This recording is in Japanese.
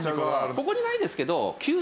ここにないですけど。